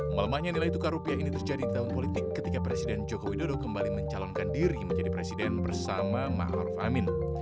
melemahnya nilai tukar rupiah ini terjadi di tahun politik ketika presiden joko widodo kembali mencalonkan diri menjadi presiden bersama mahathir fahmin